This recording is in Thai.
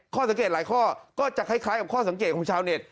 สังเกตหลายข้อก็จะคล้ายกับข้อสังเกตของชาวเน็ต